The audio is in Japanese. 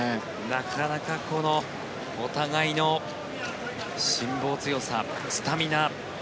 なかなかこのお互いの辛抱強さ、スタミナ。